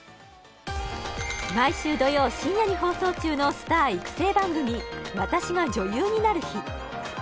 毎週土曜深夜に放送中のスター育成番組「私が女優になる日」